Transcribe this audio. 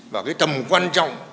và cái tầm quan trọng